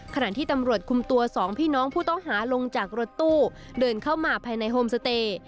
ขณะที่ตำรวจคุมตัวสองพี่น้องผู้ต้องหาลงจากรถตู้เดินเข้ามาภายในโฮมสเตย์